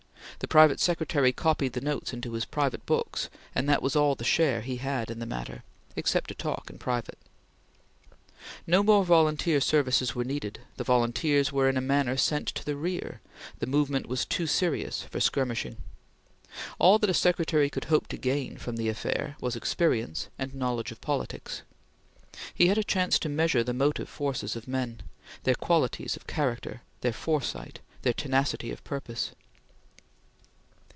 The private secretary copied the notes into his private books, and that was all the share he had in the matter, except to talk in private. No more volunteer services were needed; the volunteers were in a manner sent to the rear; the movement was too serious for skirmishing. All that a secretary could hope to gain from the affair was experience and knowledge of politics. He had a chance to measure the motive forces of men; their qualities of character; their foresight; their tenacity of purpose.